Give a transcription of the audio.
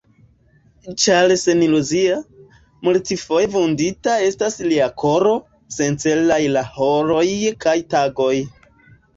Ĉar seniluzia, multfoje vundita estas lia koro, sencelaj la horoj kaj tagoj.